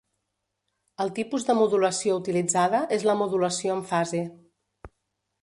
El tipus de modulació utilitzada és la modulació en fase.